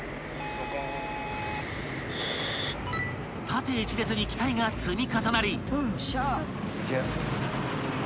［縦一列に機体が積み重なり］